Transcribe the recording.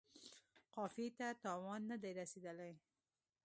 قافیې ته تاوان نه دی رسیدلی.